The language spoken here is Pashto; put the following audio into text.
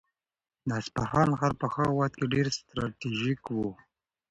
د اصفهان ښار په هغه وخت کې ډېر ستراتیژیک و.